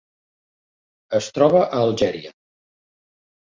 Es troba a Algèria.